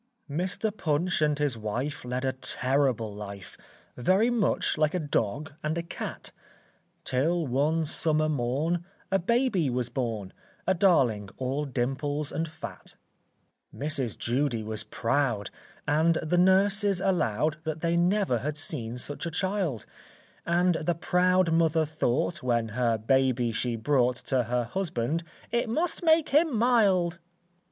Mr. Punch and his wife Led a terrible life, Very much like a dog and a cat; Till, one summer morn A baby was born, A darling all dimples and fat. [Illustration: PUNCH, JUDY, AND THE BABY.] Mrs. Judy was proud, And the nurses allowed That they never had seen such a child; And the proud mother thought When her baby she brought To her husband, "It must make him mild."